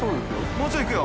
もうちょいいくよ？